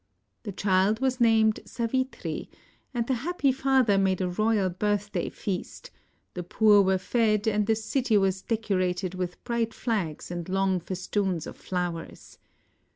The child was named Sa\ itri, ajid the happy father made a royal birthday feast; the poor were fed and the city was decorated ^sith bright flags and long festoons of flowers.